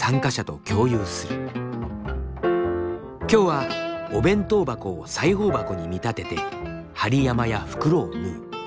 今日はお弁当箱を裁縫箱に見立てて針山や袋を縫う。